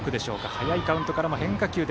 早いカウントからの変化球で